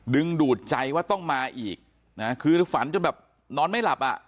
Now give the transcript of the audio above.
ดึงดูดใจว่าต้องมาอีกนะคือฝันจนแบบนอนไม่หลับอ่ะ